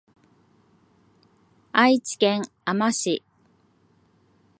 愛知県あま市